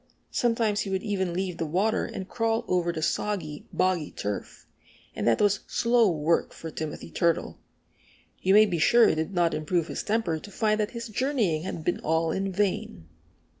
Sometimes he would even leave the water and crawl over the soggy, boggy turf; and that was slow work for Timothy Turtle. You may be sure it did not improve his temper to find that his journeying had been all in vain.